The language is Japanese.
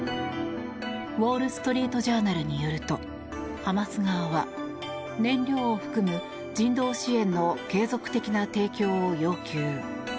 ウォール・ストリート・ジャーナルによるとハマス側は、燃料を含む人道支援の継続的な提供を要求。